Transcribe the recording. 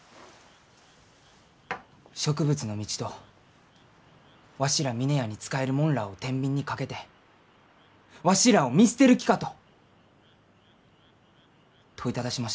植物の道とわしら峰屋に仕える者らあをてんびんにかけて「わしらあを見捨てる気か？」と問いただしました。